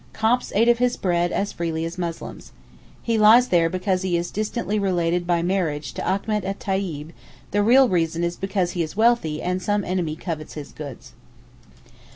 Copts ate of his bread as freely as Muslims. He lies there because he is distantly related by marriage to Achmet et Tayib, the real reason is because he is wealthy and some enemy covets his goods.